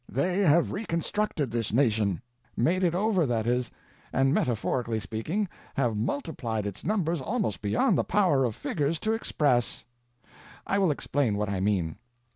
They have reconstructed this nation—made it over, that is—and metaphorically speaking, have multiplied its numbers almost beyond the power of figures to express. I will explain what I mean.